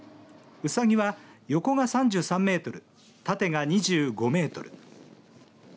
うさぎは、横が３３メートル縦が２５メートル。